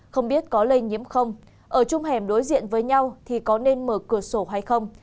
không biết có lây nhiễm không ở trong hẻm đối diện với nhau thì có nên mở cửa sổ hay không